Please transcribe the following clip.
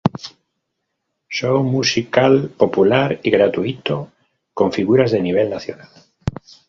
Show musical popular y gratuito con figuras de nivel nacional.